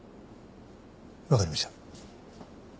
わかりました。